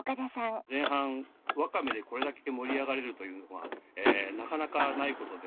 前半ワカメでこれだけ盛り上がれるというのはなかなかないことで。